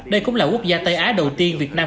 đây cũng là quốc gia tây á đầu tiên việt nam